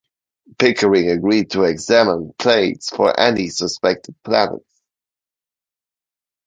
Pickering agreed to examine plates for any suspected planets.